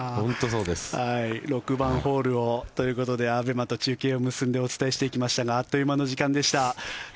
６番ホールということでＡＢＥＭＡと中継を結んでお伝えしていきましたがあっという間の時間でした。